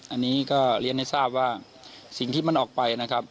อันนี้ก็เรียนให้ทราบว่าสิ่งที่มันออกไปนะครับ